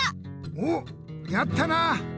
おっやったな！